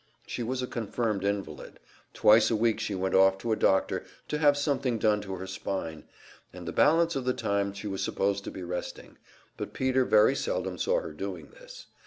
She was a confirmed invalid; twice a week she went off to a doctor to have something done to her spine, and the balance of the time she was supposed to be resting, but Peter very seldom saw her doing this.